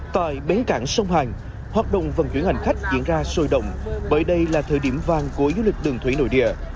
tại bến cảng sông hàng hoạt động vận chuyển hành khách diễn ra sôi động bởi đây là thời điểm vàng của du lịch đường thủy nội địa